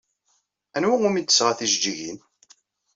Anwa umi d-tesɣa tijeǧǧigin?